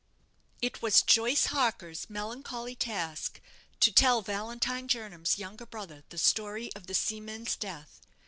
It was Joyce Harker's melancholy task to tell Valentine Jernam's younger brother the story of the seaman's death.